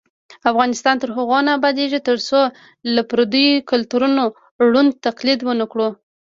افغانستان تر هغو نه ابادیږي، ترڅو له پردیو کلتورونو ړوند تقلید ونکړو.